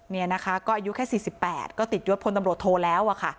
นี่นะคะก็อายุแค่๔๘ก็ติดยศพลตำรวจโทแล้วอะค่ะ